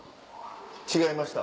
違いました。